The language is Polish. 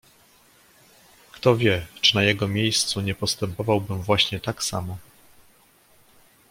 "Kto wie, czy na jego miejscu nie postępowałbym właśnie tak samo."